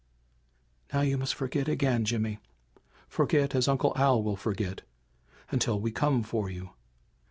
"Now you must forget again, Jimmy! Forget as Uncle Al will forget until we come for you.